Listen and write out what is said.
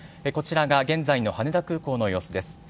こちらが現在の羽田空港の様子です。